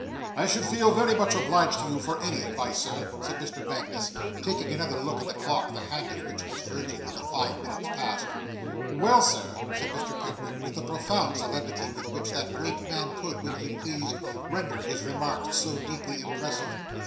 'I should feel very much obliged to you, for any advice, Sir,' said Mr. Magnus, taking another look at the clock, the hand of which was verging on the five minutes past. 'Well, sir,' said Mr. Pickwick, with the profound solemnity with which that great man could, when he pleased, render his remarks so deeply impressive.